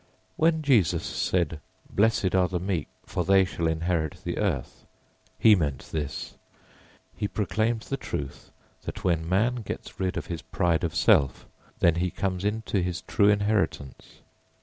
When Jesus said, "Blessed are the meek, for they shall inherit the earth," he meant this. He proclaimed the truth that when man gets rid of his pride of self then he comes into his true inheritance.